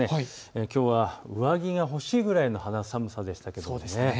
きょうは上着が欲しいくらいの肌寒さでしたね。